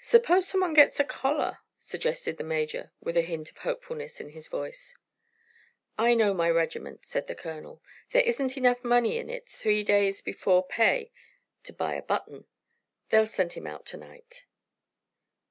"Suppose some one gets a collar?" suggested the major, with a hint of hopefulness in his voice. "I know my regiment," said the colonel. "There isn't enough money in it three days before pay day to buy a button. They'll send him out to night."